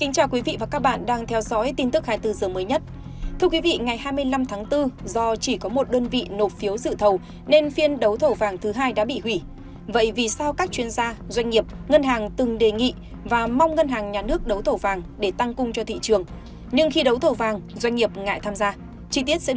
các bạn hãy đăng ký kênh để ủng hộ kênh của chúng mình nhé